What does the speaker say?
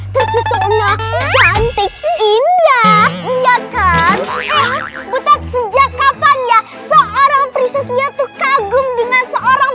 terpesona cantik indah iya kan butat sejak kapan ya seorang prinsip yaitu kagum dengan seorang